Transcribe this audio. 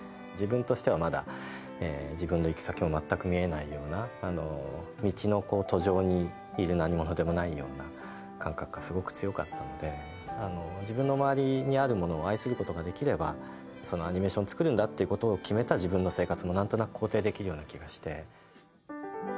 自分としてはまだ自分の行く先も全く見えないような道の途上にいる何者でもないような感覚がすごく強かったので自分の周りにあるものを愛することができればアニメーション作るんだってことを決めた自分の生活も何となく肯定できるような気がして。